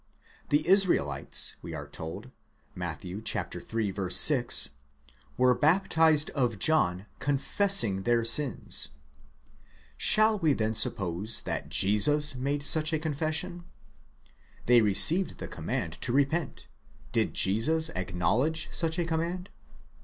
The Israelites, we are told, Matt. iii. 6, were baptized of John, confessing their sins: shall we then suppose that Jesus made such a confession? 'They received the command to repent: did Jesus acknowledge such a command?